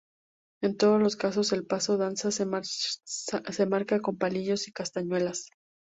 En todos los casos el paso de danza se marca con palillos y castañuelas.